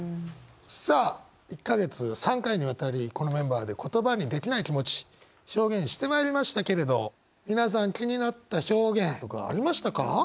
さあ１か月３回にわたりこのメンバーで言葉にできない気持ち表現してまいりましたけれど皆さん気になった表現とかありましたか？